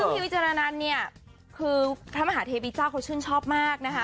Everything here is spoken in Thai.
พี่วิจารณันเนี่ยคือพระมหาเทวีเจ้าเขาชื่นชอบมากนะคะ